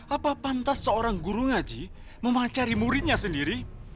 apa pantas seorang guru ngaji memacari muridnya sendiri